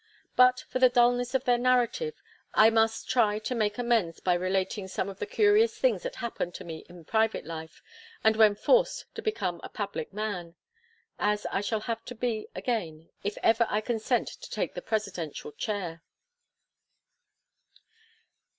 But for the dullness of their narrative, I must try to make amends by relating some of the curious things that happened to me in private life, and when forced to become a public man, as I shall have to be again, if ever I consent to take the presidential chair.